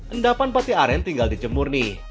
endapan pate aren tinggal dijemurni